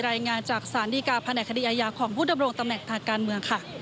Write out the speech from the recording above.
รายงานจากศาลดีกาแผนกคดีอายาของผู้ดำรงตำแหน่งทางการเมืองค่ะ